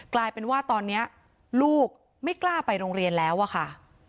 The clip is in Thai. กลายเป็นว่าตอนนี้ลูกไม่กล้าไปโรงเรียนแล้วอะค่ะ